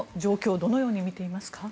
どのように見ていますか。